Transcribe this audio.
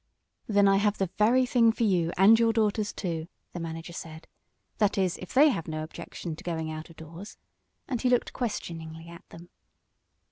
"Then I have the very thing for you and your daughters, too," the manager said. "That is, if they have no objection to going out of doors?" and he looked questioningly at them.